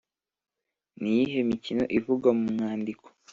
ni iyihe mikino ivugwa mu mwandiko?